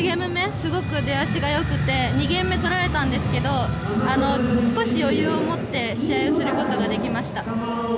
すごく出足がよくて２ゲーム目取られたんですけど少し余裕を持って試合をすることができました。